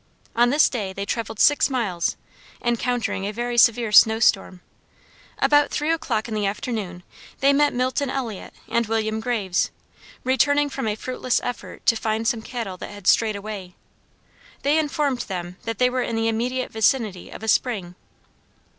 On this day they traveled six miles, encountering a very severe snow storm. About three o'clock in the afternoon, they met Milton Elliot and William Graves, returning from a fruitless effort to find some cattle that had strayed away. They informed them that they were in the immediate vicinity of a spring."